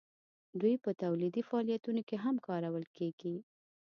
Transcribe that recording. دوی په تولیدي فعالیتونو کې هم کارول کیږي.